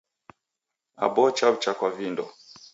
Aboo chaw'ucha kwa vindo.